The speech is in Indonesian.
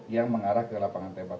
yang mengarah ke lapangan tembak